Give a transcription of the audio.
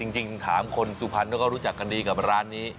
จริงถามคนสุพรรณก็รู้จักกันดีกับร้านนี้